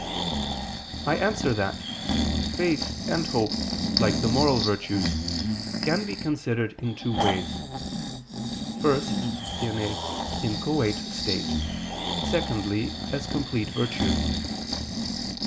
I answer that, Faith and hope, like the moral virtues, can be considered in two ways; first in an inchoate state; secondly, as complete virtues.